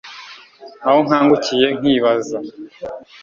aho nkangukiye nkibaza